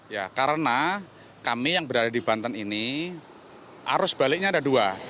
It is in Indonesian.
ya karena kami yang berada di banten ini arus baliknya ada dua